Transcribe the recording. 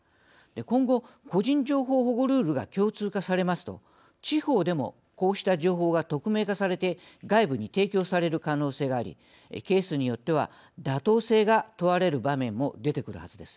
今後、個人情報保護ルールが共通化されますと地方でもこうした情報が匿名化されて外部に提供される可能性がありケースによっては妥当性が問われる場面も出てくるはずです。